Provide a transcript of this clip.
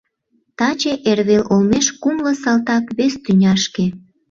Таче эрвел олмеш кумло салтак «вес тӱняшке»